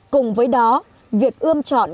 cùng với đó việc ươm chọn